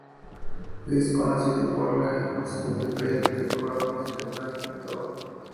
Es conocido por la ecuación de Pell, que probablemente no inventó.